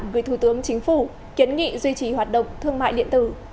gửi thủ tướng chính phủ kiến nghị duy trì hoạt động thương mại điện tử